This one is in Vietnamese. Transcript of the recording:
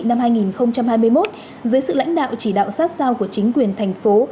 năm hai nghìn hai mươi một dưới sự lãnh đạo chỉ đạo sát sao của chính quyền thành phố